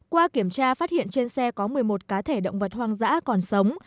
qua kiểm tra phát hiện trên xe có một mươi một cá thể động vật hoang dã còn sống